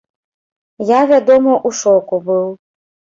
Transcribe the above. Я, вядома, у шоку быў.